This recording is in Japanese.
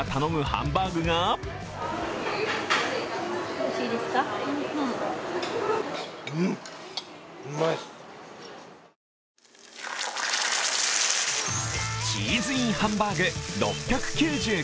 ハンバーグがチーズＩＮハンバーグ、６９９円。